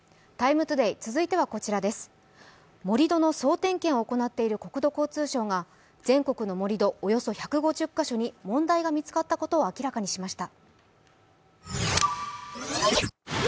盛り土の総点検を行っている国土交通省が全国の盛り土およそ１５０カ所に問題が見つかったことを明らかにしました。